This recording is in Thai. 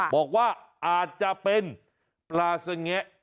บอกว่าอาจจะเป็นปลาสงแงะ